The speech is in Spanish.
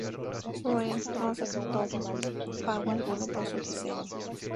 Wren no aceptó pago alguno por su diseño.